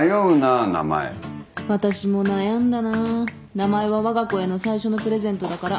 名前はわが子への最初のプレゼントだから。